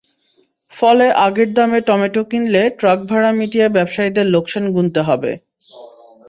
ফলে আগের দামে টমেটো কিনলে ট্রাকভাড়া মিটিয়ে ব্যবসায়ীদের লোকসান গুনতে হবে।